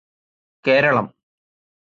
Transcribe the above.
Keralam